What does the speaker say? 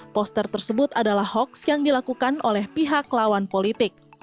poster tersebut adalah hoax yang dilakukan oleh pihak lawan politik